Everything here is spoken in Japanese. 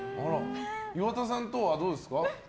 岩田さんとはどうですか？